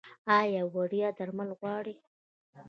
ایا وړیا درمل غواړئ؟